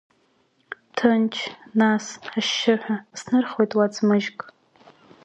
Ҭынч, нас, ашьшьыҳәа, снырхуеит уа ӡмыжьк.